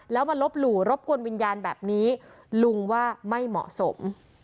แล้วมาลบหลู่รบกวนวิญญาณแบบนี้ลุงว่าไม่เหมาะสม